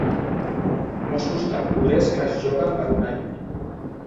Mossos temporers que es lloguen per un any.